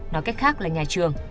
nói cách khác là nhà trường